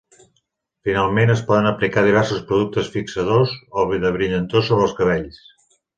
Finalment, es poden aplicar diversos productes fixadors o de brillantor sobre els cabells.